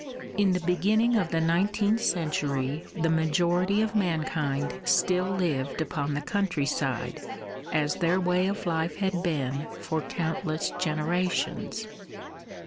In the beginning of the nineteenth century the majority of mankind still lived upon the countryside, as their way of life had been for countless generations.